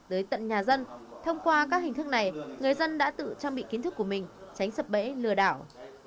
tới tận nhà dân thông qua các hình thức này người dân đã tự trang bị kiến thức của mình tránh sập bẫy lừa đảo